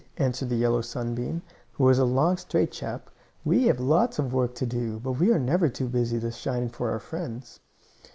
answered the yellow sunbeam, who was a long, straight chap. "We have lots of work to do, but we are never too busy to shine for our friends."